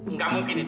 nggak mungkin itu fi